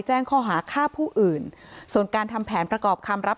แจ้งข้อหาฆ่าผู้อื่นส่วนการทำแผนประกอบคำรับ